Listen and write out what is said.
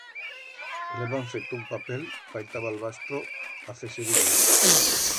Le heban feto un papel pa ir ta Balbastro a fer-se viyer.